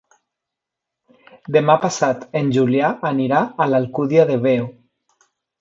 Demà passat en Julià anirà a l'Alcúdia de Veo.